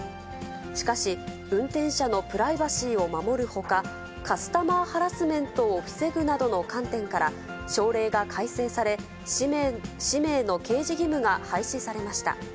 しかし、運転者のプライバシーを守るほか、カスタマーハラスメントを防ぐなどの観点から、省令が改正され、氏名の掲示義務が廃止されました。